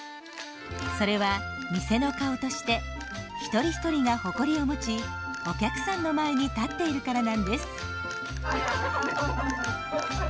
それは店の顔として一人一人が誇りを持ちお客さんの前に立っているからなんです。